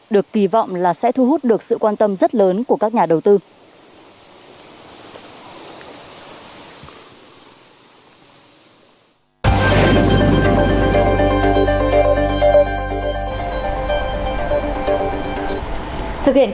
được kỳ vọng là sẽ thu hút được sự quan tâm rất lớn của các nhà đầu tư